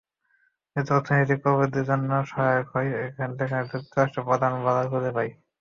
এতে অর্থনৈতিক প্রবৃদ্ধির জন্য সহায়ক হয়, যেখানে যুক্তরাজ্য প্রধান বাজার খুঁজে পায়।